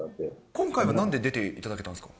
今回はなんで出ていただけたんですか？